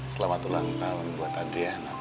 selamat ulang tahun buat adriana ma